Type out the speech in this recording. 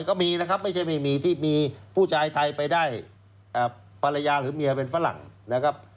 ก็มีนะครับไม่ใช่ไม่มีที่มีผู้ชายไทยไปได้ภรรยาหรือเมียเป็นฝรั่งนะครับ